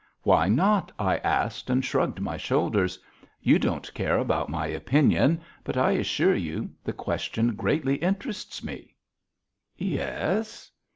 "Why not?" I asked and shrugged my shoulders. "You don't care about my opinion, but I assure you, the question greatly interests me." "Yes?"